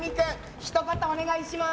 ひと言お願いします。